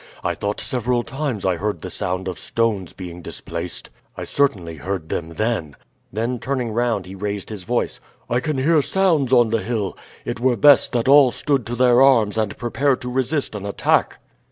I thought several times I heard the sound of stones being displaced. I certainly heard them then." Then turning round he raised his voice: "I can hear sounds on the hill. It were best that all stood to their arms and prepare to resist an attack."